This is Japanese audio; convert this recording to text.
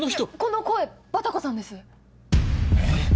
いやこの声バタコさんです！